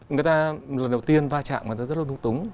người ta lần đầu tiên va chạm người ta rất là lung túng